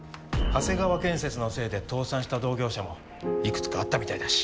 長谷川建設のせいで倒産した同業者もいくつかあったみたいだし。